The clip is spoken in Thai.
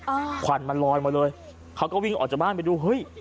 ควันมันลอยมาเลยเขาก็วิ่งออกจากบ้านไปดูเฮ้ย